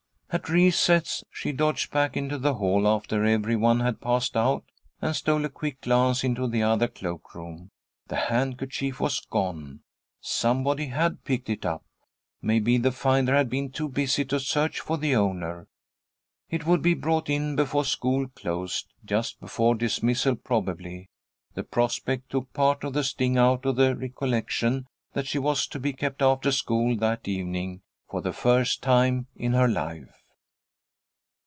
At recess she dodged back into the hall after every one had passed out, and stole a quick glance into the other cloak room. The handkerchief was gone. Somebody had picked it up. Maybe the finder had been too busy to search for the owner. It would be brought in before school closed; just before dismissal probably. The prospect took part of the sting out of the recollection that she was to be kept after school that evening, for the first time in her life.